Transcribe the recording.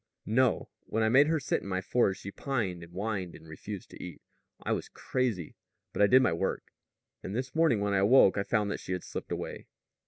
"No. When I made her sit in my forge she pined and whined and refused to eat. I was crazy. But I did my work. And this morning when I awoke I found that she had slipped away."